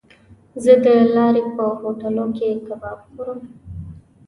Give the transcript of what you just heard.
زه د لارې په هوټلو کې کباب خورم.